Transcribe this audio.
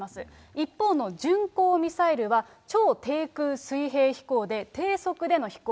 一方の巡航ミサイルは、超低空水平飛行で低速での飛行。